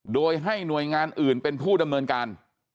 โดยให้หน่วยงานอื่นเป็นผู้ดำเนินการ